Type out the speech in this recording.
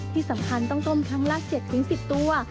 ที่สำคัญต้องต้มครั้งละ๗๑๐ตัว